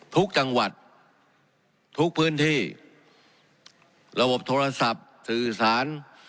ทุกจังหวัดทุกพื้นที่ระบบโทรศัพท์สื่อสาร